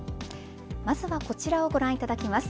まずはこちらをご覧いただきます。